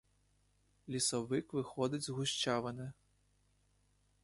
Лісовик виходить з гущавини.